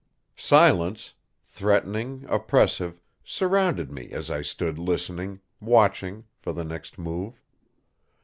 Silence, threatening, oppressive, surrounded me as I stood listening, watching, for the next move.